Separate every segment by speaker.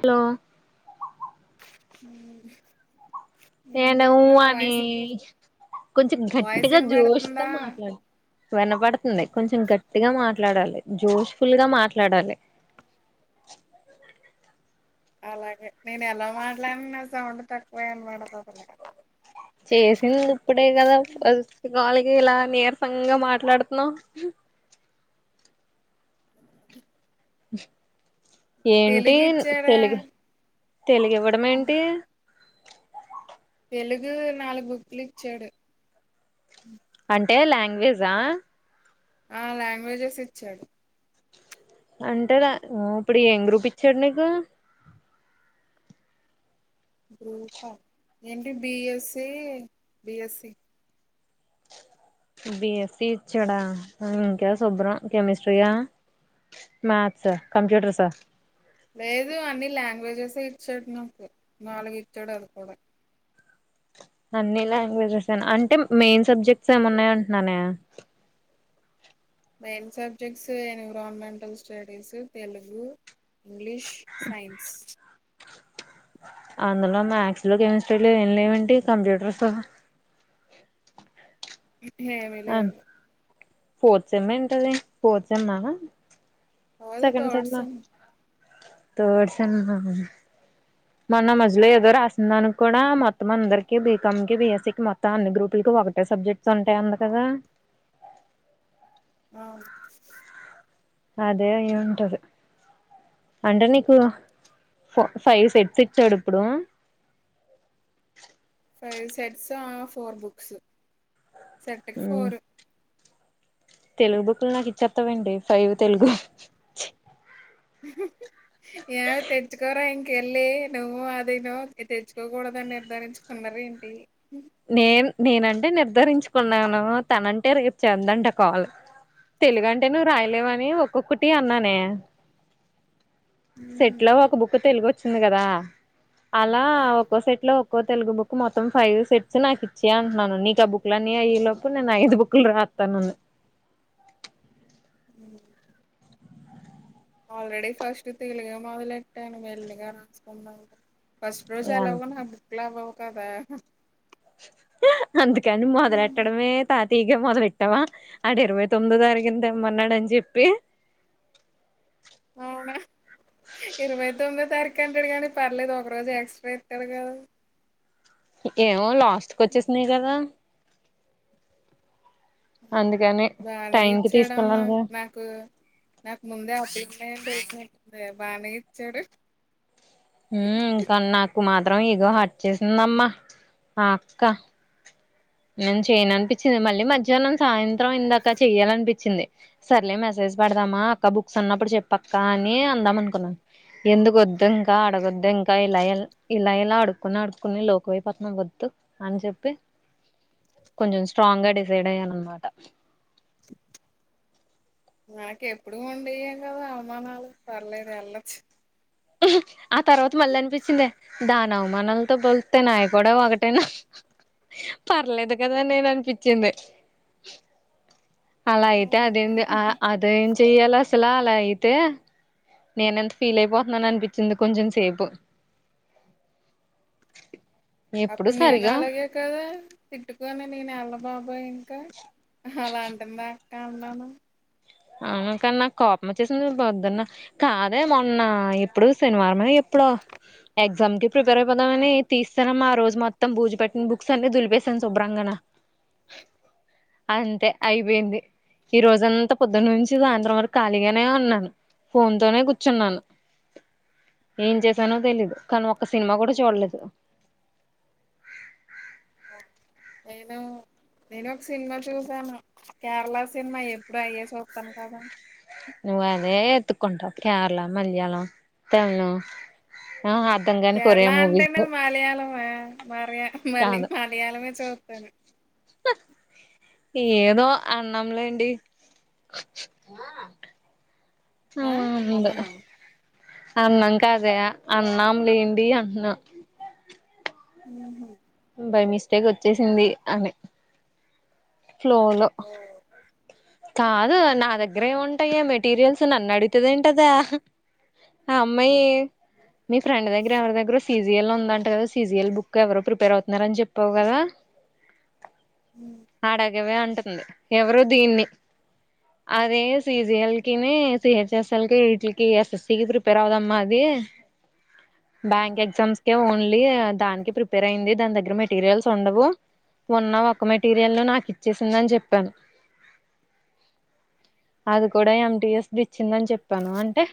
Speaker 1: Hello
Speaker 2: మ్
Speaker 1: నీను మ్ అని కొంచెం
Speaker 2: వాయిస్
Speaker 1: గట్టిగా జోష్ తో
Speaker 2: వినబడుతుందా
Speaker 1: మాట్లాడు వినపడుతుంది కొంచెం గట్టిగా మాట్లాడాలి జోష్ ఫుల్ గా మాట్లాడాలి
Speaker 2: అలాగే నేను ఎలా మాట్లాడిన నా సౌండ్ తక్కువే ఇనపడ్తదిలే
Speaker 1: చేసింది ఇప్పుడే కదా ఫస్ట్ కాల్ కి ఇలా నీరసంగా మాట్లాడుతున్నావు
Speaker 2: ఆ
Speaker 1: ఏంటి
Speaker 2: ఇచ్చాడా
Speaker 1: తెలుగు తెలుగు ఇవ్వడం ఏంటి
Speaker 2: తెలుగు నాలుగు బుక్లు ఇచ్చాడు
Speaker 1: అంటే లాంగ్వేజా
Speaker 2: ఆ లాంగ్వేజెస్ ఇచ్చాడు
Speaker 1: అంటేదా ఇప్పుడు ఏం గ్రూపు ఇచ్చాడు నీకు
Speaker 2: గ్రూపా ఏంటి బిఎస్స బిఎస్సి
Speaker 1: బిఎస్సి ఇచ్చాడా ఇంకా శుభ్రం కెమిస్ట్రీయా మ్యాత్స్ కంప్యూటర్ సార్
Speaker 2: లేదు అన్ని లాంగ్వేజెస్ే ఇచ్చాడు నాకు నాలుగు ఇచ్చాడు అది కూడా
Speaker 1: అన్ని లాంగ్వేజెస్ అంటే మెయిన్ సబ్జెక్ట్స్ ఎం ఉన్నాయి అంటున్నానే
Speaker 2: main subjects environmental studies Telugu English science
Speaker 1: అందులో మ్యాథస్ లో కెమిస్ట్రీలో ఏం లేవంటంటి కంప్యూటర్స్
Speaker 2: ఏేమి లేదు
Speaker 1: ఫార్త్ సేమ్మే ఉంటది ఫార్త్ సేమ్మ
Speaker 2: కాదు
Speaker 1: second
Speaker 2: third
Speaker 1: సెమ్మ
Speaker 2: sem
Speaker 1: third sem మన మధ్యలో ఏదో రాస్తుంద అని కూడా మొత్తం అందరికి బీకాం కి బిఎస్సి కి మొత్తం అన్ని గ్రూపులకి ఒకటే సబ్జెక్ట్ తుంటయి అంది కదా!
Speaker 2: ఆ
Speaker 1: అదే అయి ఉంటది. అంటే నీకు ఫో ఫైవ్ సెట్స్ ఇచ్చాడు. ఇప్పుడు
Speaker 2: five sets four books set కు ఫోర్
Speaker 1: తెలుగు బుక్లు నాకు ఇచ్చేత్తవేంటి ఫైవ్ తెలుగు
Speaker 2: హ్ ఏ తెచ్చుకోరా ఇంకెళ్ళి నువ్వు అది ను తెచ్చుకోకూడదని నిర్ధారించు ఉన్నరేంటి
Speaker 1: నేన్ నేనంటే నిర్ధారించుకున్నాను తనంటే రేపు చెందంట కాల్ తెలుగంటే నువ్వు రాయలేవని ఒక్కొక్కటి అన్నానే
Speaker 2: ఉహు
Speaker 1: సెట్ లో ఒక బుక్ తెలుగొచ్చింది గదా అలా
Speaker 2: బ
Speaker 1: ఓ సెట్ లో ఒక్కో తెలుగు బుక్ మొత్తం ఫైవ్ సెట్ నాకీచ్చేయి అంటున్నాను నీకు ఆ బుక్ల అన్నీ అయ్య లోపు నేను ఐదు బుక్లు రాత్తాను.
Speaker 2: ము ఆల్రెడీ ఫస్ట్ తెలుగ మొదలెట్టాను మెల్లిగా రాసుకున్నాని ఫస్ట్ రోజు ఎలాగో నా బుక్లు అవ్వవు కదా!
Speaker 1: అందుకని
Speaker 2: మ్మ్.
Speaker 1: మొదలెట్టడమే తతీగా మొదలెట్ట అంటవా అడ ఇరవై తొమ్మిదో తారీకు దమ్మన్నాడని జెప్పి
Speaker 2: అవునా ఇరవై తొమ్మిదో తారీఖు అంటడు గానీ పర్లేదు ఒక రోజు ఎక్స్ట్రా ఇత్తడు గదా
Speaker 1: ఏమో లాస్ట్ కోచ్చేసినయి గదా! అందుకని
Speaker 2: వాడే
Speaker 1: టైం కి
Speaker 2: ఇచ్చాడమ్మా
Speaker 1: తీసుకెళ్ళాలిగా
Speaker 2: నాక్ నాకు ముందే [inaudible] బాగానే ఇచ్చాడు
Speaker 1: ఊ ఇంక నాకు మాత్రం ఇగో హట్ చేసిందమ్మా ఆ అక్క నేన్ చేయను అనిపించింది మళ్ళీ మాజ్యాహనం సాయంత్రం ఇందాక చెయ్యాలనిపించింది సర్లే మెసేజ్ పెడదామా అక్క బుక్స్ ఉన్నప్పుడు చెప్పక్క అని అందాం అనుకున్నాను ఎందుకొద్దు ఇంకా అడగొద్దు ఇంకా ఇలయల్ ఇలా ఇలా అడుకుని అడుకుని లోకవైపోతున్నాం వద్దు అని జెప్పి కొంచెం స్ట్రాంగా డిసైడ్ అయ్యానన్నమాట
Speaker 2: మనకి ఎప్పుడు ఉండేయం గదా అవమానాలు పర్లేదు ఎళ్లొచ్చు
Speaker 1: ఆ తర్వాత మళ్ళ అనిపించిందే దాని అవమానాలతో పోలితే నాయి కూడా ఒకటైనా పర్లేదు కదా నేను అనిపిచ్చింది. అలా అయితే అదేంది ఆ ఆ ఏం చెయ్యాలి అసలు అలా అయితే నేన ఎంత ఫీల్ అయిపోతున్నాను అనిపి సింధు కొంచం సేపు ఎప్పుడు
Speaker 2: అప్పుడు నేను
Speaker 1: సరిగా
Speaker 2: అలాగే కదా తిట్టుకోని నేను ఎల్ల బాబాయి ఇంకా అలా అంటుందా అక్క అన్నాను.
Speaker 1: అనుకన్న కోపం వోచ్చేసింది పోద్దున్న కాదే మొన్న ఇప్పుడు శనివారమే ఎప్పుడో ఎగ్జామ్ కి ప్రిపేర్ అయిపోతామని తీస్తా మా రోజు మొత్తం భూజు పట్టి బక్స్ అన్ని దులిపేశాను శుభ్రంగాను అంతే అయిపోయింది. ఈ రోజంతా పొద్దుటి నుంచి సాయంత్రం వరకు ఖాళీగానే ఉన్నాను ఫోన్ తోనే కూర్చున్నాను ఏం చేసానో తెలీదు కానీ ఒక్క సినిమా కూడా చూడలేదు
Speaker 2: ఏదో నేను ఒక సినిమా చూసాను కేరళ సినిమా ఎప్పుడు అయ్యే చూస్తాను కదా
Speaker 1: నువ్వు అదే ఎత్తుకుంటావు కేరళ మలయాళం తమిళ
Speaker 2: కేరళ అంటేనే మలయాళమే మలీ మళ్ళీ
Speaker 1: కాదు
Speaker 2: మలయాళమే చూస్తాను
Speaker 1: ఏదో అన్నంలేండి
Speaker 2: ఆ
Speaker 1: అవును
Speaker 2: అన్నమా
Speaker 1: అన్నం కాదే అన్నాం లేండి. అంటున్న
Speaker 2: ఉహ్
Speaker 1: బై మిస్టేక్ వచ్చేసింది. అని ఫ్లోలో కాదు నా దగ్గరే ఏం ఉంటాయే మెటీరియల్స్ నన్ను అడుగుతుంది ఏంటి ఆది అమ్మాయి మీ ఫ్రెండ్ దగ్గర ఎవరి దగ్గరో సీజిఎల్ ఉంద అంట కాద సిజిఎల్ బుక్ ఎవరో ప్రిపేర్ అవుతున్నారని చెప్పావు కదా
Speaker 2: హ్
Speaker 1: ఆడ గివే ఉంటుంది. ఎవరు దీన్ని అదే సీజీ ఎల్కిని సి హెచ్ ఎస్ ఎల్కి వీటికి ఎస్ ఎస్సి కి ప్రిపేర్ అవుదమ్మా అది బ్యాంక్ ఎగ్జామ్స్ కే ఓన్లీ దానికే ప్రిపేర్ అయింది. దాని దగ్గర మేట్ మెటీరియల్స్ ఉండవు ఉన్న ఒక మెటీరియల్ నాకు ఇచ్చేసిందని చెప్పాను అది కూడా ఎంటిఎస్ ఇచ్చిందని చెప్పాను అంటే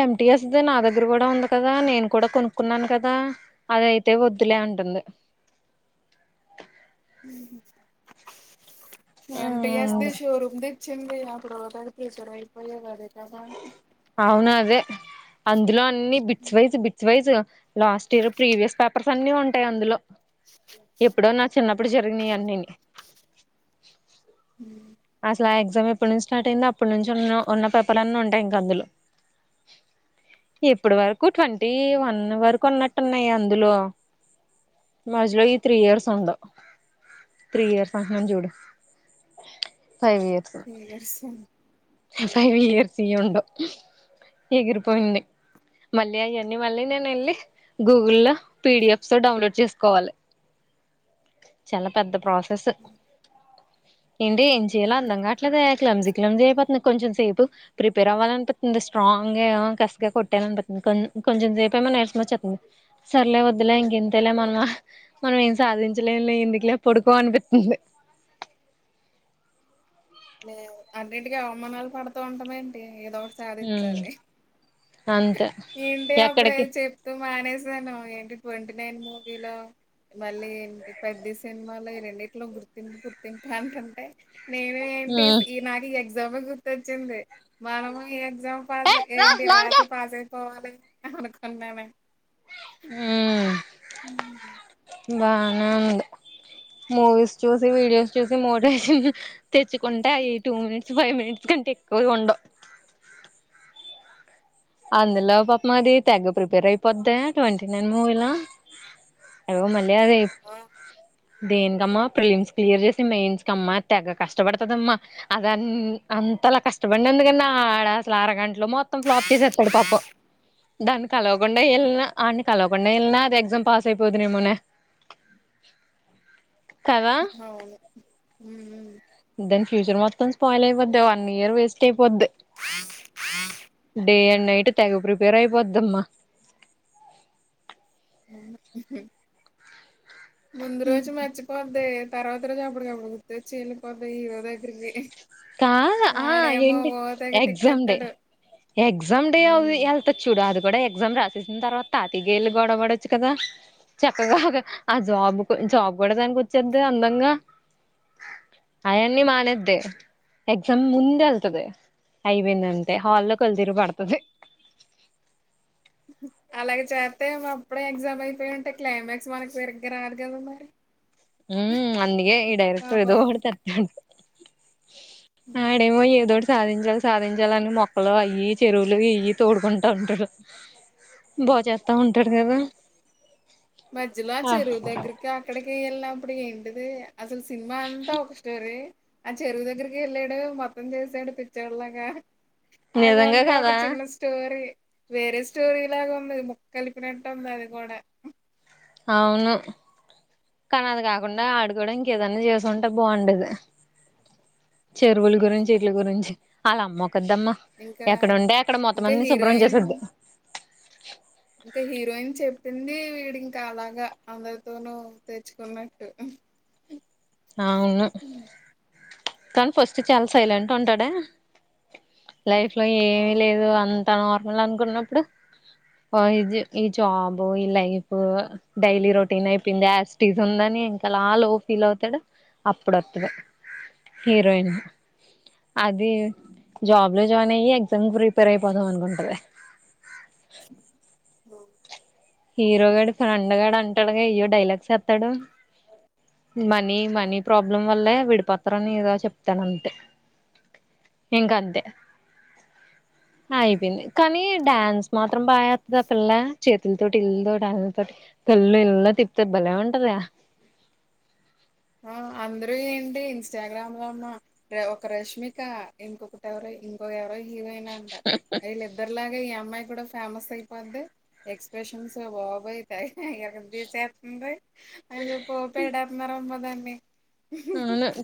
Speaker 1: ఎమ్టి ఎస్ది నా దగ్గర కూడా ఉంది. కదా నేను కూడా కొనుక్కున్నాను కదా అదయితే వద్దులే అంటుంది.
Speaker 2: ఏం టి ఎస్ ది
Speaker 1: ఉమ్
Speaker 2: శోరూమ్ ది చింది అప్పుడు ఒక పెపేశ్వర అయిపోయవు అదే కదా
Speaker 1: అవును అదే అందులో అన్ని bits wise bits wise last year previous papers అన్ని ఉంటాయి. అందులో ఎప్పుడో నా చిన్నప్పుడు జరిగినయి అన్నిని
Speaker 2: హ్
Speaker 1: అసలు ఆ ఎగ్జామ్ ఎప్పటి నుంచి స్టార్ట్ అయిందో అప్పటి నుంచి ఉన్న ఉన్న పేపర్ అన్ని ఉంటాయి. ఇంకా అందులో ఇప్పటి వరకు ట్వంటీ వన్ వరకు ఉన్నట్టు ఉన్నాయి అందులో మద్యలో ఈ త్రీ ఇయర్స్ ఉండావు త్రీ ఇయర్స్ అంటం చూడు ఫైవ్ ఇ
Speaker 2: యర్స్
Speaker 1: ఫైవ్ ఇయర్స్ వి ఉండవూ ఏగిరీపోయింది. మల్లి అయ్యి మల్లి నేను వెల్లి గూగుల్ లో పిడిఎఫ్స్ డౌన్లోడ్ చేసుకోవాలి. చాలా పెద్ద ప్రాసెస్ స్ ఏంటి ఏం చేయ్యలో అర్థం కావట్లేదు క్లంజి క్లంజి అయపోతంది. నాకు కొంచెం సేపు ప్రిపేర్ అవ్వాలి అనిపత్తంది. స్ట్రాంగ్ గా కసిగా కొట్టాలి అనిపత్తుంది. కొంచెం సేపు ఏమో నిరసం వచ్చస్తుంది సర్లే వద్దులే ఇంక ఇంతేలే మనము మనం ఏం సాధించలేము లే ఎందుకులే పొడుకో అనిపిస్తుంది.
Speaker 2: లేదు అన్నింటికి అవమానాలు పడుతూ ఉంటాము ఏంటి ఏదో ఒకటి
Speaker 1: ఉమ్
Speaker 2: సాధించాలి.
Speaker 1: అంతే
Speaker 2: ఏంటి అప్పుడ
Speaker 1: ఎక్కడికి
Speaker 2: చెప్తూ మానేసాను ఏంటి ట్వంటీ నైన్ మూవీలో మళ్ళీ ఏంటి పెద్ది సినిమాలో ఈ రెండిట్లో గుర్తింపు గుర్తింపు అంటంటే నేను ఏంటి
Speaker 1: ఉమ్
Speaker 2: ఈ నాకు ఈ ఎగ్జామ్ లో గుర్తొచ్చింది మనము ఏంటీ ఎగ్జామ్ పాస్ ఏంటి రాసి పాస్ అయిపోవాలి హ అనుకున్నాను.
Speaker 1: హ్మ్మ్
Speaker 2: అ
Speaker 1: బానే ఉంది. మూవీస్ చూసి వీడియోస్ చూసి మోటివేషన్ తెచ్చుకుంటే అయి టూ మినిట్స్ ఫైవ్ మినిట్స్ కంటే ఎక్కువగా ఉండవు. అందులో పాపమా అది తెగ ప్రిపేర్ అయిపోది ట్వంటీ నైన్ మూవీలో అదో మలయాళి
Speaker 2: ఆ
Speaker 1: దేనికమ్మా ప్రిలిమ్స్ క్లియర్ చేసి మెయిన్స్ కమ్మా తెగ కష్టపడతదమ్మా అది అంత అంతలా కష్టపడినందుకు అన్నా ఆడ అసలు అరగంటలో మొత్తం ఫ్లాప్ తీసేస్తాడు పాపం దాన్ని కలవకుండా వెళ్ళిన ఆన్ని కలవకుండా వెళ్ళినా అది ఎగ్జామ్ పాస్ అయిపోదు నేమునే కదా
Speaker 2: అవును
Speaker 1: దాని ఫ్యూచర్ మొత్తం స్పాయిల్ అయిపోద్ది వన్ ఇయర్ వేస్ట్ అయిపోద్ది
Speaker 2: ఆ
Speaker 1: డే అండ్ నైట్ తెగ ప్రిపేర్ అయిపోద్దమ్మా
Speaker 2: ముందురోజు మంచి కొద్ది తర్వాత రోజు అప్పటికప్పుడు గుర్తచ్చీఎల్లిపొద్ది హీరో దగ్గరికి
Speaker 1: కా ఆ
Speaker 2: వాడేమో
Speaker 1: ఏంటి
Speaker 2: ఓహ్ తెగ
Speaker 1: ఎగ్జామ్ డే
Speaker 2: తిట్టేస్తాడు
Speaker 1: అ చూడు అది కూడా ఎగ్జామ్ రాసేసిన తర్వాత తాపీగా వెళ్ళి గొడపడచ్చు కదా చక్కగా ఒక ఆ జాబ్ జాబ్ కూడా దానికి వచ్చేది అందంగా అయన్నీ మానేద్ది ఎక్సామ్ ముందు ఎల్తది ఐపోయిందంటే హాల్ లో కల్లుతిరిగి పడ్తది
Speaker 2: అలాగే చేస్తే అప్పుడే ఎగ్జామ్ అయిపోయి ఉంటే క్లైమాక్స్ మనకి సరిగ్గా రదు కదా మరి
Speaker 1: హ అందుకే ఈ డైరెక్టర్ ఎదో
Speaker 2: పాపం
Speaker 1: [unintelligible] డుతత ఉంట అడేమో ఏదోటి సాధించాల సాధించాలని మొక్కలు అయి చెరువులు ఇయ్యి తోడుకుంటా ఉంటారు బాగుచేస్తా హుంటాడు కదా
Speaker 2: అవును ఇంకా అక్కడికి వెళ్ళినప్పుడు ఏంటిది అసలు సినిమా అంతా ఒక స్టోరీ ఆ చెరువు దగ్గరికి వెళ్ళాడు మొత్తం చేసాడు పిచ్చోడిలాగా
Speaker 1: నిజంగా
Speaker 2: అదంతా ఒక
Speaker 1: కదా
Speaker 2: చిన్న స్టోరీ వేరే స్టోరీ లాగా ఉంది. ముక్క కలిపినట్టు ఉంది అది కూడా
Speaker 1: అవును కానీ అది కాకుండా ఆడుకోవడానికి ఏదన్నా చేసుంటే బాగుండేది. చెరువుల గురించి ఇీట్ల గురించి వల్ల అమ్మోకదమ్మ
Speaker 2: ఇంకా
Speaker 1: ఎక్కడుంటే అక్కడ మొత్తం
Speaker 2: ఇంకా
Speaker 1: మన్ని శుభ్రం
Speaker 2: హీరోయిన్
Speaker 1: చేసొద్ది.
Speaker 2: ఇంకా హీరోయిన్ చెప్పింది వీడి ఇంకా అలాగా అందరితోనూ తెచ్చుకున్నట్టు
Speaker 1: అవును తను ఫస్ట్ చాలా సైలెంట్ ఉంటడే లైఫ్ లో ఏమిీ లేదు అ త నార్మల్ అనుకున్నప్పుడు ఈ జాబ్ ఈ లైఫ్ డైలీ రొటీన్ అయిపోయింది. ఆసిటిస్ ఉందని ఇంకా అలా లో ఫీల్ అవుతాడు అప్పుడు వస్తాది హీరోయిన్ అది జాబ్ లో జాయిన్ అయ్యి ఎగ్జామ్ ప్రిపేర్ అయిపోదాం అనుకుంటది.
Speaker 2: ఉ
Speaker 1: హీరోగాడి ఫ్రెండ్గాఫ్రెండ్ గాడు అంటాడుగా అయ్యో డైలాగ్స్ సెప్తాడు. మనీ మనీ ప్రాబ్లం వల్లే విడిప. ప్ర నీద చెప్తానంటే ఇంకంతే. ఆయిపోయింది కానీ డన్స్ మాత్రం బాఏతున్నారు పిల్ల చే. ఇళ్లతోటి ఇలాతోటి అలతోటి ఇంతోటల్ కళ్ళు ఇళ్ల తిప్తాది భలే ఉంటదా.
Speaker 2: ఆ అందరూ ఏంటి ఇన్స్టాగ్రామ్ లో నా. అంటే ఒక రష్మిక ఇంకొకటి ఎవరో ఇంకొక ఎవరో హీరోయినంట అయి లేదు. అందరిలాగే ఈ అమ్మాయి కూడా ఫేమస్ అయిపోంది. ఎక్స్ప్రెషన్స్ బాబోయ్ తెగ ఈరగ తీసేస్తుందే. అయ్యో పోపెడర్మరమ్మ దాన్ని.
Speaker 1: అవును.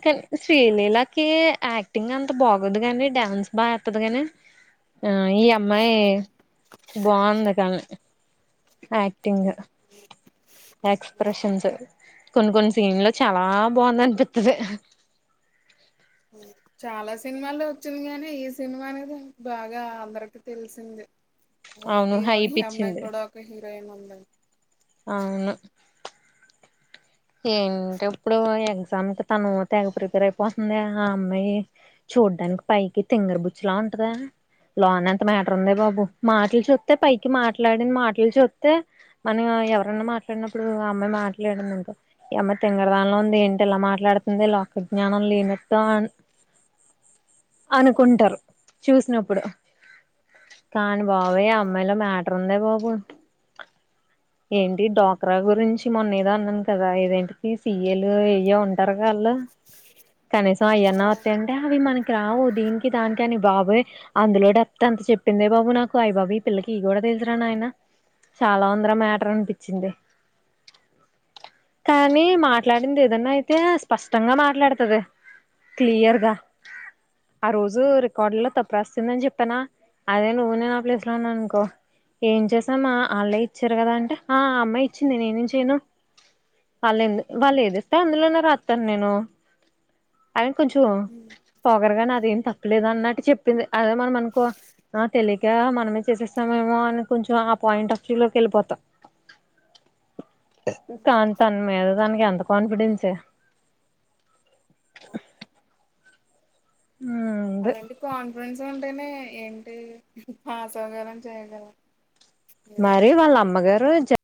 Speaker 1: శ్రీలీలాకి యాక్టింగ్ అంత బాగోదు గాని డాన్స్ బాగా అడ్తది గాని. ఆ ఈ అమ్మాయి బావుంది కానీ యాక్టింగ. ఎక్స్ప్రెషన్సస్క్స్ కొన్ని కొన్ని సీన్ లో చాలా బాగుందం. పెద్దదే.
Speaker 2: ఉ చాలా సినిమాల్లో వోచ్చింది గాని ఈ సినిమా అనేది బాగా అందరికి తెలిసిందే. ఉది
Speaker 1: అవును
Speaker 2: ఈగో ఈ
Speaker 1: హైప్
Speaker 2: అమ్మాయి
Speaker 1: ఇచ్చింది
Speaker 2: కూడా ఒక హీరోయిన్ ఉందే.
Speaker 1: అవును. ఏంట ఇప్పుడు ఎగ్జామ్ కి తను తెగ ప్రిపేర్ అయిపోతుందే ఆ అమ్మాయి. చూడ్డానికి పైకి తింగర బుచ్చిలా ఉంటదే లోన ఎంత మ్యాటర్ ఉందే బాబు మాట్లు చూత్తే పైకి మాట్లాడిన మాట్లు చూత్తే. మనము ఎవరన్నా మాట్లాడినప్పుడు అ అమ్మాయి మాట్లాడిందనుకో. ఇ అమ్మాయి తింగరిదానిల్ల ఉంది ఏంటి ఇలా మాట్లాడుతుంది లోకజ్ఞానం లేనట్టో అ. అనుకుంటారు చూసినప్పుడు కానీ బాబాయ్య అమ్మాయిల మ్య. రున్నే బాబు ఏంటి డోక్రా గురించి మొన్న ఏదో అన్నాను కదా. ఓ ఐదింటికి సీయళ్లు ఏయ్యో ఉంటారు గా అళ్ళు కనీసం అయ్యన్న వోత్తయ్. అ హే మనకి రావు దీనికి దానికి అని బాబోయ్. అందులో డప్త అంత చెప్పిందే బాబు నాకు అయి బాబు ఈ పిల్లకి ఇ గూడా తెలుసరా నా ఆయన. చాలా ఉందిరా మ్యాటర్ అనిపించింది. కానీ మాట్. క్లాటింగా ఏదన్నా అయితే స్పష్టంగా మాట్లాడుతది క్లియర్గా. ఆ రోజు రికార్డులాల్లో తప్పు రాసిందని జేప్పానా. అదే నువ్వు నేను ఆ ప్లేస్ లో ఉన్నానుకో. ఏం చేసా మ్మ ఆల్లే ఇచ్చారు గదా అంటే ఆ అమ్మాయి ఇచ్చింది నేనేం చేయను. ఆల్ ఏందు వాళ్ళు ఎ ఏదిస్తే అందులోనే రాస్తాను నేను అయన కొంచమో. పోగరుగానీ అదేం తప్పలేదు అన్నట్టు చెప్పింది అదే మనం అనకో అ తెలి. ఇగా మనమే చేసేస్తామేమో అని కొంచం ఆ పాయింట్ ఆఫ్ వ్యూ లోకేళ్ళిపోతా. కానీ తన మీద తననికి ఎంత కాన్ఫిడెన్సే. ఉమ్ ఉంది
Speaker 2: అలాంటి కాన్ఫిడెన్స్ ఉంటేనే ఏంటి పాస్ అవ్వగలం చేయగలం.
Speaker 1: మరి
Speaker 2: ఏదైనా
Speaker 1: వాళ్ళ అమ్మగారు జ.